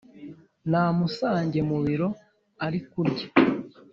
namusange mubiro ari kurya